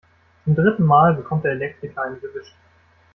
Zum dritten Mal bekommt der Elektriker eine gewischt.